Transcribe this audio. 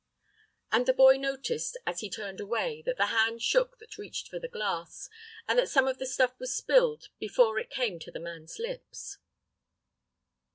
And the boy noticed, as he turned away, that the hand shook that reached for the glass, and that some of the stuff was spilled before it came to the man's lips.